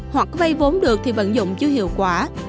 hoặc vây vốn được thì vận dụng chưa hiệu quả